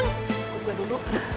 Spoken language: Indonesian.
gue buka dulu